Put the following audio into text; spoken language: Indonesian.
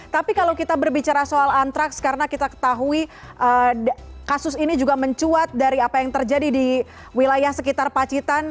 tapi kalau kita berbicara soal antraks karena kita ketahui kasus ini juga mencuat dari apa yang terjadi di wilayah sekitar pacitan